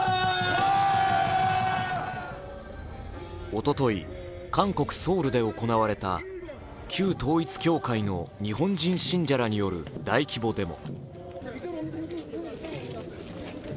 おととい、韓国・ソウルで行われた旧統一教会の日本人信者らによる大規模デモ。